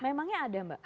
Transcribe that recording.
memangnya ada mbak